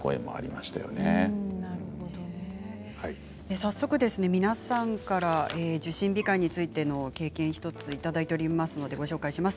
早速、皆さんから受診控えについての経験いただいていますご紹介します。